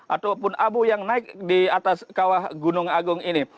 ataupun abu yang naik di atas kawah gunung agung ini